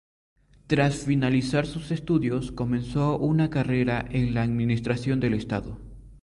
Tras finalizar sus estudios comenzó una carrera en la administración del Estado.